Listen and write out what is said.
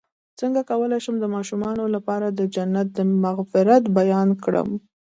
څنګه کولی شم د ماشومانو لپاره د جنت د مغفرت بیان کړم